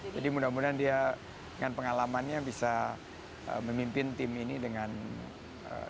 jadi mudah mudahan dia dengan pengalamannya bisa memimpin tim ini dengan baik